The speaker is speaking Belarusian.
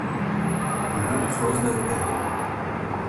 І будуць розныя тэмы.